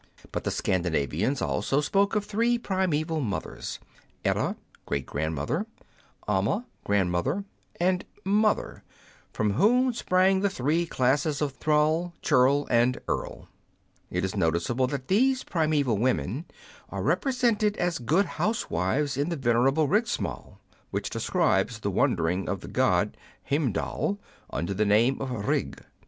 But the Scandinavians also spoke of three primeval mothers : Edda (great gran dm other), Amma (grand mother), and Mother, from whom sprang the three classes of thrall, churl, and earl. It is noticeable that these primeval women are represented as good housewives in the venerable Rigsmal, which describes the wanderings of the god Heimdal, under the name of Rig.